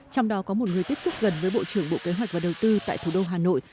trong đó có một người tiếp xúc gần với bộ trưởng bộ kế hoạch và đầu tư tại thủ đô hà nội